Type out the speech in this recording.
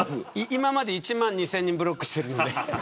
今まで、１万２０００人ブロックしてるんで。